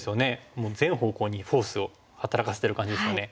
もう全方向にフォースを働かせてる感じですよね。